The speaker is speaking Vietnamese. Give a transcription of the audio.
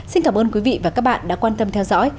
xin cảm ơn quý vị và các bạn đã quan tâm theo dõi